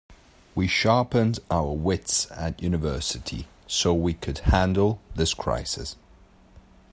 We sharpened our wits at university so we could handle this crisis.